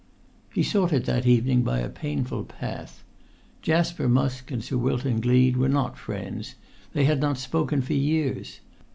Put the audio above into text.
He sought it that evening by a painful path. Jasper Musk and Sir Wilton Gleed were not friends; they had not spoken for years.